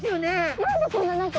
何でこんな何か。